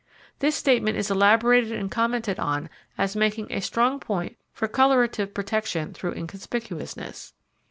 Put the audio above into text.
This statement is elaborated and commented upon as making a strong point for colourative protection through inconspicuousness.